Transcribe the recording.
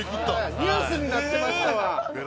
ニュースになってましたわ。